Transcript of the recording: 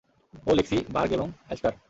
ও Lexi, Berg এবং Allister.